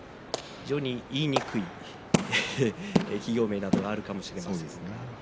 非常に言いにくい企業名などもあるかもしれません。